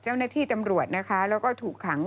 เจ้าหน้าที่ตำรวจนะคะแล้วก็ถูกขัง